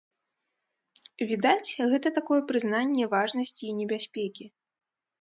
Відаць, гэта такое прызнанне важнасці і небяспекі.